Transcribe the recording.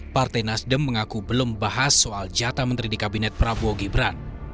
partai nasdem mengaku belum bahas soal jatah menteri di kabinet prabowo gibran